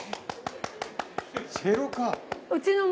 チェロ科。